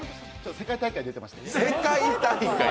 世界大会出てまして。